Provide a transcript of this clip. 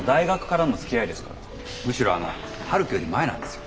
むしろあの陽樹より前なんですよ。